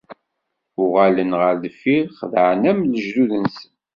Uɣalen ɣer deffir, xedɛen am lejdud-nsen.